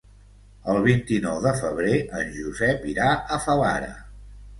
El vint-i-nou de febrer en Josep irà a Favara.